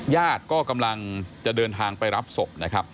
ญาติก็กำลังจะเดินทางไปรับศพ